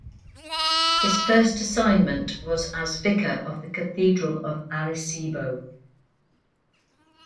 His first assignment was as Vicar of the Cathedral of Arecibo.